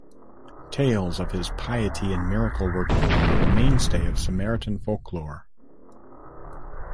Tales of his piety and miracle-working are a mainstay of Samaritan folklore.